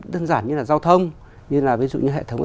đơn giản như là giao thông như là ví dụ như hệ thống